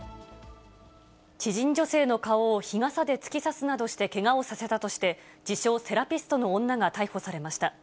知人女性の顔を日傘で突き刺すなどして、けがをさせたとして、自称セラピストの女が逮捕されました。